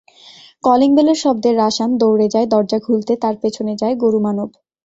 কলিংবেলের শব্দে রাশাদ দৌড়ে যায় দরজা খুলতে, তার পেছনে যায় গরু মানব।